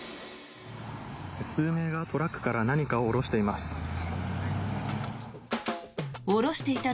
数名がトラックから何かを下ろしています。